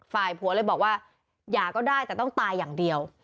ฝ่ายผัวเลยบอกว่าหย่าก็ได้แต่ต้องตายอย่างเดียว